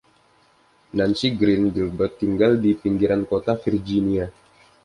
Nancy Green Gilbert tinggal di pinggiran kota Virginia.